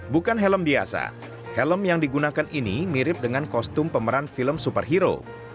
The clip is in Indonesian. bukan helm biasa helm yang digunakan ini mirip dengan kostum pemeran film superhero